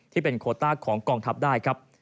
ที่เป็นโคต้าของกองทัพได้ครับ